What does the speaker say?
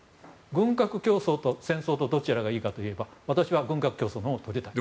軍拡競争と戦争のどちらがいいかといえば私は軍拡競争のほうを取ると。